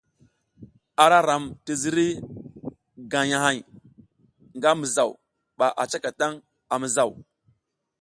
Ara ram ti ziriy gagnahay nga mizaw ba a cakatang a mizaw.